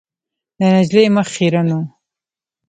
د نجلۍ مخ خیرن و .